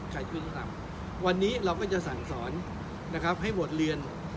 ใครช่วยให้ทำวันนี้เราก็จะสั่งสอนนะครับให้บทเรียน